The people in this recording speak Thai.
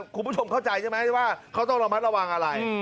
คุณผู้ชมเข้าใจใช่ไหมว่าเขาต้องระมัดระวังอะไร